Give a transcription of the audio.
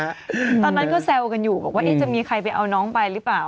ตอนนั้นก็แซวกันอยู่บอกว่าจะมีใครไปเอาน้องไปหรือเปล่า